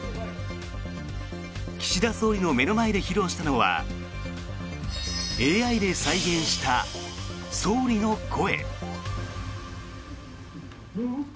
岸田総理の目の前で披露したのはＡＩで再現した、総理の声。